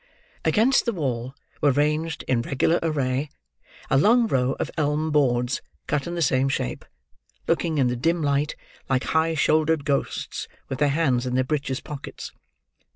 Against the wall were ranged, in regular array, a long row of elm boards cut in the same shape: looking in the dim light, like high shouldered ghosts with their hands in their breeches pockets.